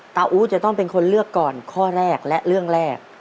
อู๋จะต้องเป็นคนเลือกก่อนข้อแรกและเรื่องแรก